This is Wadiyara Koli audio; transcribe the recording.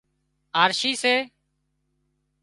آرشِي سي